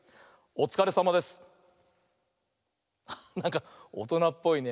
なんかおとなっぽいね。